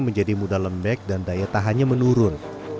menjadi mudah lembek dan daya tahannya menurun